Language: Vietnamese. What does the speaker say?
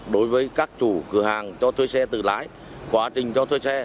đối với các chủ cửa hàng cho thuê xe tự lái quá trình cho thuê xe